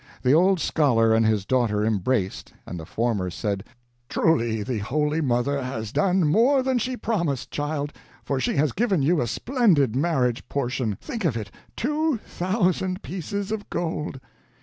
The old scholar and his daughter embraced, and the former said, "Truly the Holy Mother has done more than she promised, child, for she has given you a splendid marriage portion think of it, two thousand pieces of gold!"